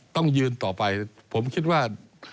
ต้องยืนต่อไปผมคิดว่า